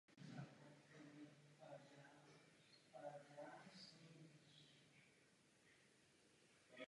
Do Prahy na ten den přicházeli poutníci.